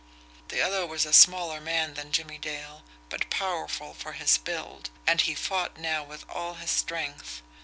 The other was a smaller man than Jimmie Dale, but powerful for his build and he fought now with all his strength.